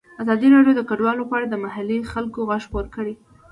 ازادي راډیو د کډوال په اړه د محلي خلکو غږ خپور کړی.